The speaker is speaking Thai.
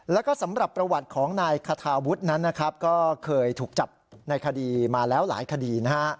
แล้วก็สำหรับประวัติของนายคาทาวุฒินั้นนะครับก็เคยถูกจับในคดีมาแล้วหลายคดีนะฮะ